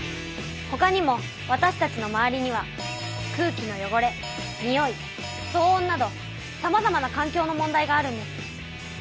ほかにもわたしたちの周りには空気の汚れ臭い騒音などさまざまな環境の問題があるんです。